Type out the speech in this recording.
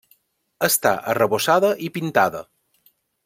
Està arrebossada i pintada.